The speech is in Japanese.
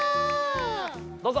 どうぞ。